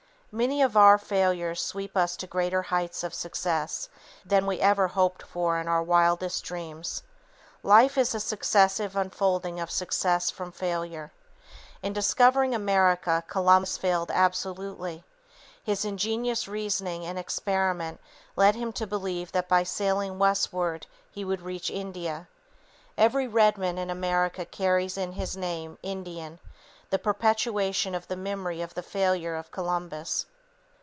Many of our failures sweep us to greater heights of success, than we ever hoped for in our wildest dreams. Life is a successive unfolding of success from failure. In discovering America Columbus failed absolutely. His ingenious reasoning and experiment led him to believe that by sailing westward he would reach India. Every redman in America carries in his name "Indian," the perpetuation of the memory of the failure of Columbus.